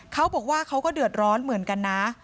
เขาบอกว่าเขาก็เดือดร้อนเหมือนกันนะ